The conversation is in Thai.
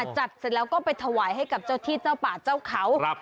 เสร็จแล้วก็ไปถวายให้กับเจ้าที่เจ้าป่าเจ้าเขา